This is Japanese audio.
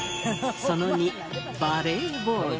その２バレーボール。